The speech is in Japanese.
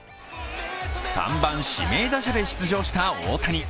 ３番・指名打者で出場した大谷。